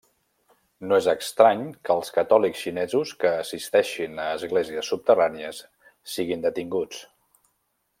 No és estrany que els catòlics xinesos que assisteixin a esglésies subterrànies siguin detinguts.